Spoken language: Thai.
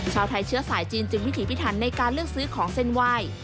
ชาวไทยเชื้อสายจีนจึงวิถีพิถันในการเลือกซื้อของเส้นไหว้